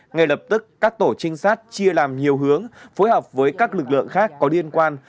ngay lập tức các tổ trinh sát chia làm nhiều hướng phối hợp với các lực lượng khác có liên quan